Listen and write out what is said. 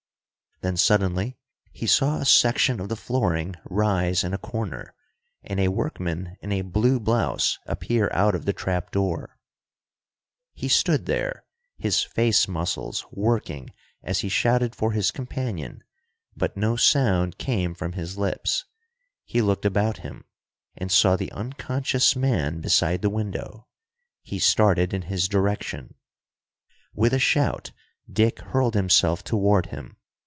Then suddenly he saw a section of the flooring rise in a corner, and a workman in a blue blouse appear out of the trap door. He stood there, his face muscles working as he shouted for his companion, but no sound came from his lips. He looked about him, and saw the unconscious man beside the window. He started in his direction. With a shout, Dick hurled himself toward him.